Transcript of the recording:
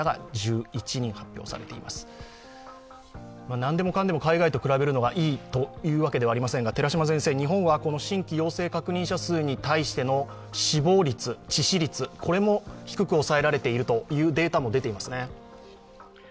何でもかんでも海外と比べるのがいいというわけではありませんが日本は新規陽性確認者数に対しての死亡率、致死率も低く抑えられているというデータも出ていますね。